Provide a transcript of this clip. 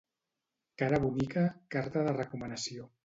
Cara bonica, carta de recomanació.